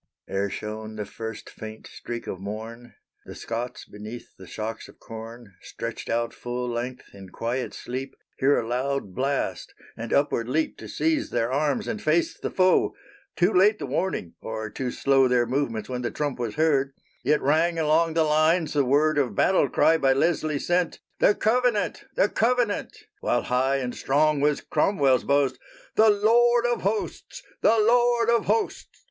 Ere shone the first faint streak of morn, The Scots beneath the shocks of corn, Stretched out full length in quiet sleep, Hear a loud blast, and upward leap To seize their arms and face the foe. Too late the warning! or, too slow Their movements when the trump was heard, Yet rang along the lines the word Of battle cry by Leslie sent, "The Covenant! The Covenant!" While high and strong was Cromwell's boast, "_The Lord of Hosts! The Lord of Hosts!